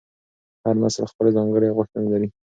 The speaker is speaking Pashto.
هر نسل خپلې ځانګړې غوښتنې لري.